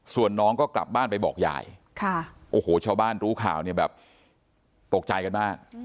ส่วนน้องก็กลับบ้านไปบอกยายโอ้โหชาวบ้านรู้ข่าวเนี่ยแบบตกใจกันมาก